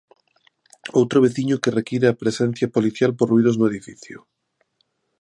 Outro veciño que require a presencia policial por ruídos no edificio.